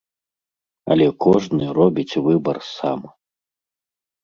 Але кожны робіць выбар сам.